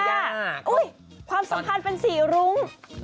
ความสำคัญเป็นสีรุ้ง